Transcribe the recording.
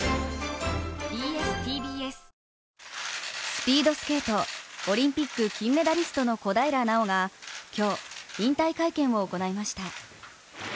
スピードスケートオリンピック金メダリストの小平奈緒が今日、引退会見を行いました。